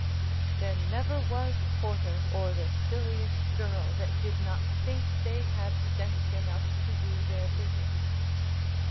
There never was porter or the silliest girl, that did not think they had sense enough to do their business.